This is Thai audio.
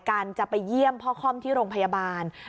การจะไปเยี่ยมพ่อค่อมที่โรงพยาบาล